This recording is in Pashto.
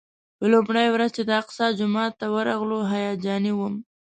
په لومړۍ ورځ چې د الاقصی جومات ته ورغلو هیجاني وم.